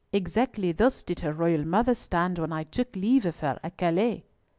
Exactly thus did her royal mother stand when I took leave of her at Calais."